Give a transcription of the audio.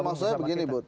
maksudnya begini bud